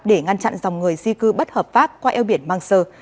để ngăn chặn dòng người di cư bất hợp pháp qua eo biển mang sơ